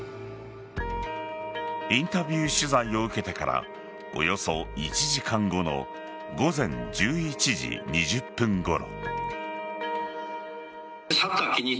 インタビュー取材を受けてからおよそ１時間後の午前１１時２０分ごろ。